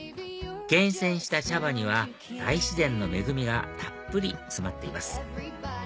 厳選した茶葉には大自然の恵みがたっぷり詰まっています